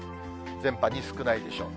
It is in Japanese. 全般に少ないでしょう。